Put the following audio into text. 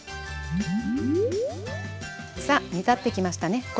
さあ煮立ってきましたね。